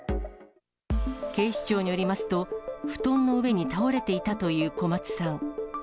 警視庁によりますと、布団の上に倒れていたという小松さん。